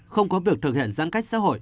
không có việc thực hiện giãn cách xã hội